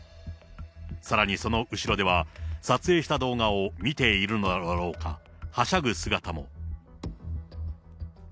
さらにその後ろでは、撮影した動画を見ているのだろうか、はしゃぐ姿も。